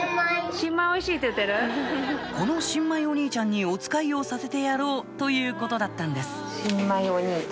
この新米お兄ちゃんにおつかいをさせてやろうということだったんです